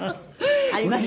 「ありますよ」